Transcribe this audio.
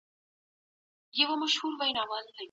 فرانسې تحرکات پیل کړي دي، تر څو وکولای سي په